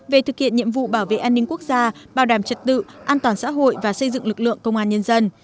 về thực hiện nhiệm vụ bảo vệ an ninh quốc gia bảo đảm trật tự an toàn xã hội và xây dựng lực lượng công an nhân dân